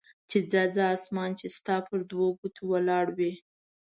چې ځه ځه اسمان چې ستا پر دوه ګوتې ولاړ وي.